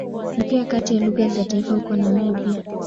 Ni pia kati ya lugha za taifa huko Namibia.